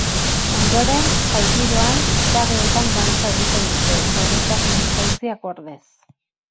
Ondoren jai giroan, zutabeetan dantza egin dute, segurtasun distantzia gordez.